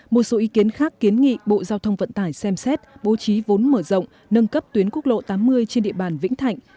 một số ý kiến khác kiến nghị bộ giao thông vận tải xem xét bố trí vốn mở rộng nâng cấp tuyến quốc lộ tám mươi trên địa bàn vĩnh thạnh